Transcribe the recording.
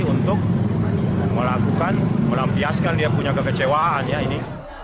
untuk melakukan melampiaskan dia punya kekecewaan ya ini